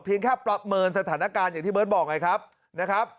เพียงแค่ปรับเมินสถานการณ์อย่างที่เบิ้ดบอกไงครับ